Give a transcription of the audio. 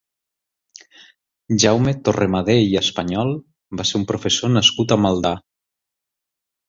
Jaume Torremadé i Español va ser un professor nascut a Maldà.